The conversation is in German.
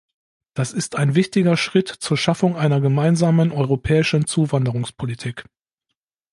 Das ist ein wichtiger Schritt zur Schaffung einer gemeinsamen europäischen Zuwanderungspolitik.